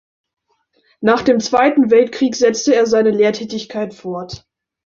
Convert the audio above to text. Nach dem Zweiten Weltkrieg setzte er seine Lehrtätigkeit fort.